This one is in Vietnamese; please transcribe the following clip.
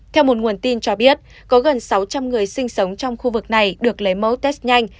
theo một nguồn tin cho biết có gần sáu trăm linh người sinh sống trong khu vực này được lấy mẫu test nhanh